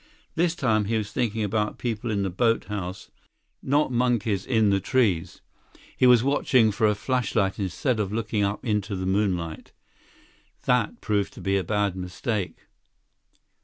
This time, he was thinking about people in the boathouse, not monkeys in the trees. He was watching for a flashlight instead of looking up into the moonlight. That proved to be a bad mistake.